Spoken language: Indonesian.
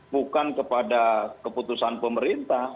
bukan kepada keputusan pemerintah